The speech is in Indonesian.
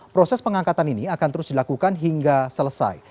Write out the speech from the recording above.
proses pengangkatan ini akan terus dilakukan hingga selesai